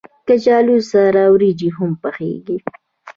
کچالو سره وريجې هم پخېږي